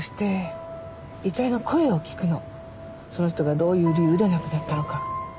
その人がどういう理由で亡くなったのか。